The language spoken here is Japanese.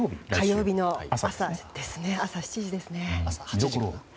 火曜日の朝７時ですね。